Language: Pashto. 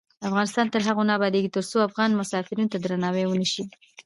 افغانستان تر هغو نه ابادیږي، ترڅو افغان مسافرینو ته درناوی ونشي.